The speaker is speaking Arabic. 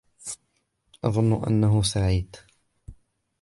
أظن أنه سعيد.